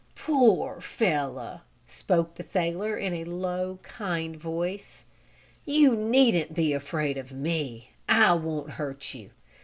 "Poor fellow!" spoke the sailor in a low, kind voice. "You needn't be afraid of me. I won't hurt you.